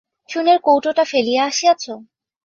চুনের কৌটোটা ফেলিয়া আসিয়াছ?